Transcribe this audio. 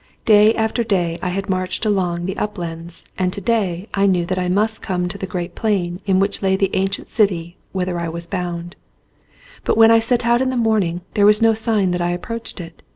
Day after day I had marched among the uplands and to day I knew that I must come to the great plain in which lay the ancient city whither I was bound; but when I set out in the morning there was no sign that I approached it.